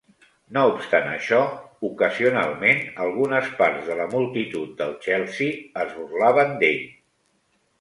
No obstant això, ocasionalment algunes parts de la multitud del Chelsea es burlaven d'ell.